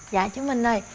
dạ chú minh ơi